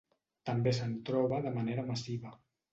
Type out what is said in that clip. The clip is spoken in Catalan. També se'n troba de manera massiva.